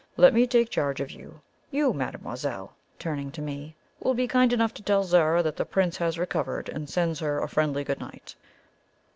Let me take charge of you. You, mademoiselle," turning to me, "will be kind enough to tell Zara that the Prince has recovered, and sends her a friendly good night.